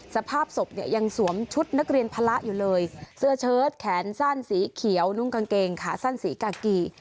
สภาพศพเนี่ยยังสวมชุดนักเรียนพละอยู่เลยเสื้อเชิดแขนสั้นสีเขียวนุ่งกางเกงขาสั้นสีกากี